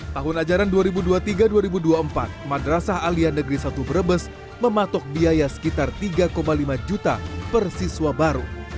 tahun ajaran dua ribu dua puluh tiga dua ribu dua puluh empat madrasah alian negeri satu brebes mematok biaya sekitar tiga lima juta per siswa baru